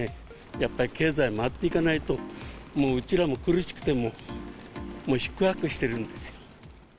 やっぱり経済回っていかないと、もううちらも苦しくて、もう、四苦八苦してるんですよ。